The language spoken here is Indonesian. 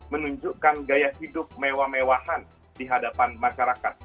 menunjukkan gaya hidup mewah mewahan di hadapan masyarakat